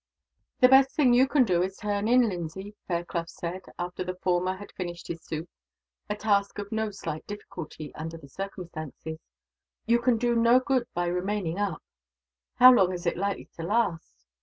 "The best thing you can do is to turn in, Lindsay," Fairclough said, after the former had finished his soup a task of no slight difficulty, under the circumstances. "You can do no good by remaining up." "How long is it likely to last?"